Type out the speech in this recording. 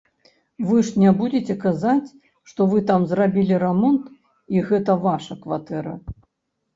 Вы ж не будзеце казаць, што вы там зрабілі рамонт і гэта ваша кватэра.